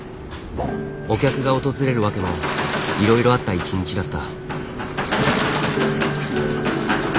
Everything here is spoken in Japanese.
お客が訪れるワケもいろいろあった１日だった。